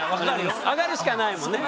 上がるしかないもんね。